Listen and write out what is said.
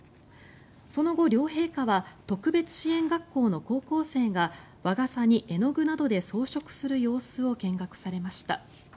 その後、両陛下は特別支援学校の高校生が和傘に絵の具などで装飾する様子を見学されました。